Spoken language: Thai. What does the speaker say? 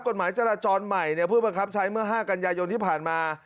กฎหมายจราจรใหม่เนี่ยผู้บังคับใช้เมื่อ๕กันยายนที่ผ่านมา